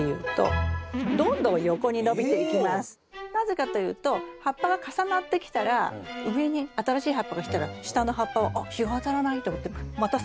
なぜかというと葉っぱが重なってきたら上に新しい葉っぱがきたら下の葉っぱはあっ日が当たらないと思ってまた更に伸びますよね。